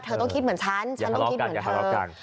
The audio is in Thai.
เธอต้องคิดเหมือนฉันฉันต้องคิดเหมือนเธอ